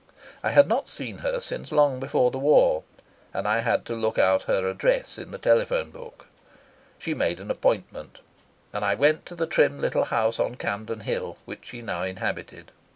I had not seen her since long before the war, and I had to look out her address in the telephone book. She made an appointment, and I went to the trim little house on Campden Hill which she now inhabited.